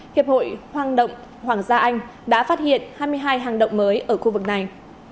hiệp hội hoang động hoàng gia anh đã phát hiện hai mươi hai hang động mới ở khu vực này